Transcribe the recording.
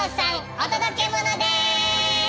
お届けモノです！